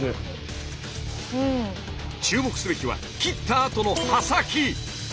注目すべきは切ったあとの刃先！